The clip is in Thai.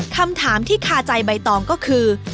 คำถามที่คาใจใบตองก็คือ